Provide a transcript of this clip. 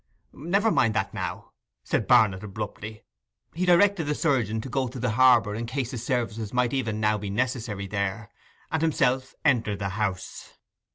'Never mind that now,' said Barnet abruptly. He directed the surgeon to go to the harbour in case his services might even now be necessary there: and himself entered the house.